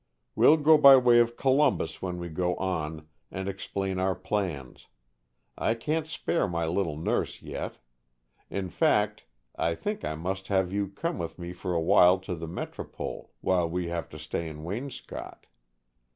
We'll go by way of Columbus when we go on, and explain our plans. I can't spare my little nurse yet. In fact, I think I must have you come with me for a while to the Metropole, while we have to stay in Waynscott.